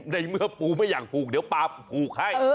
ในเมื่อปูไม่อยากผูกเดี๋ยวปลาผูกให้